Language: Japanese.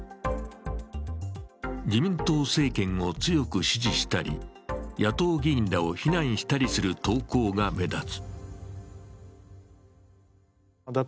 自民党政権を強く支持したり、野党議員らを非難したりする投稿が目立つ。